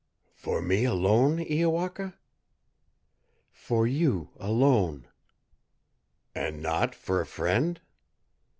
"For me alone, Iowaka?" "For you alone." "And not for a friend?"